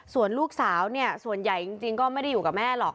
ส่วนลูกสาวเนี่ยส่วนใหญ่จริงก็ไม่ได้อยู่กับแม่หรอก